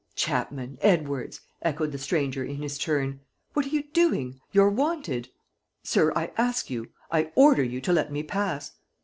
"Chapman! Edwards!" echoed the stranger, in his turn. "What are you doing? You're wanted!" "Sir, I ask you, I order you to let me pass."